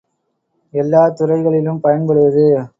எல்லாத் துறைகளிலும் பயன்படுவது.